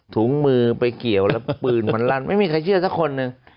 ถุงมือไปเกี่ยวแล้วปืนมันลั่นไม่มีใครเชื่อสักคนหนึ่ง